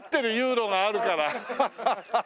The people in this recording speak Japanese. アハハハ！